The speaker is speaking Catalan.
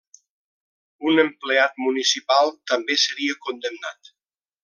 Un empleat municipal també seria condemnat.